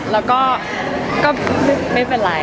แล้วก็ไม่เป็นไร